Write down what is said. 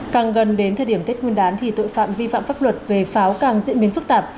càng gần đến thời điểm tết nguyên đán thì tội phạm vi phạm pháp luật về pháo càng diễn biến phức tạp